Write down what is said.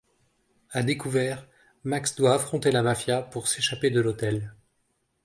À découvert, Max doit affronter la mafia pour s'échapper de l'hôtel.